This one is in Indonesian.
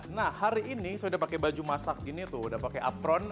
nah hari ini saya udah pakai baju masak gini tuh udah pakai apron